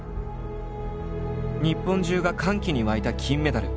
日本中が歓喜に沸いた金メダル。